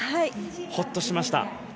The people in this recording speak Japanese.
ほっとしました。